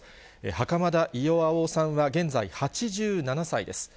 袴田巌さんは現在、８７歳です。